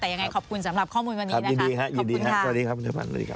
แต่ยังไงขอบคุณสำหรับข้อมูลวันนี้นะครับยินดีครับสวัสดีครับน้องมัน